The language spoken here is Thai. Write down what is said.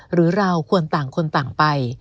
หรือเราควรต่างคนต่างไป